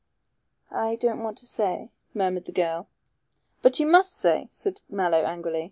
"I don't want to say," murmured the girl. "But you must say," said Mallow angrily.